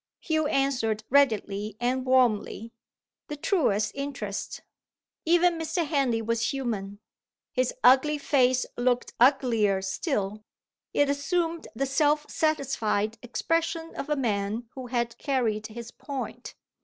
Hugh answered readily and warmly: "The truest interest!" Even Mr. Henley was human; his ugly face looked uglier still. It assumed the self satisfied expression of a man who had carried his point.